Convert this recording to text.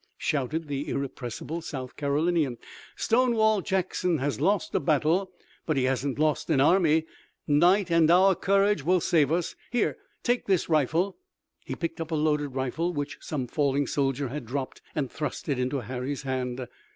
shouted the irrepressible South Carolinian. "Stonewall Jackson has lost a battle, but he hasn't lost an army. Night and our courage will save us! Here, take this rifle!" He picked up a loaded rifle which some falling soldier had dropped and thrust it into Harry's hand.